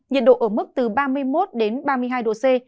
nhiệt độ ở mức từ ba mươi một đến ba mươi hai độ c